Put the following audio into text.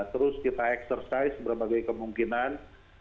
terus kita eksersis berbagai kemungkinan